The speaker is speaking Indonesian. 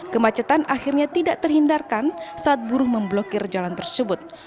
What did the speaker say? kemacetan akhirnya tidak terhindarkan saat buruh memblokir jalan tersebut